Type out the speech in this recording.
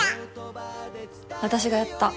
私がやった。